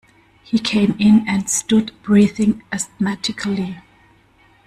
He came in and stood breathing asthmatically.